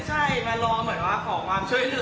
ใช่มารอเหมือนว่าขอความช่วยเหลือ